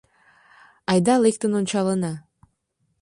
Айда лектын ончалына.